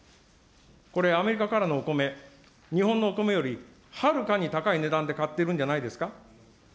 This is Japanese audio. これ、アメリカからのお米、日本のお米よりはるかに高い値段で買っているんじゃないですか。